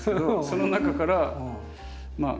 その中からまあ